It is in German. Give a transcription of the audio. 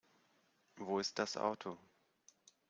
Wo ist das Auto?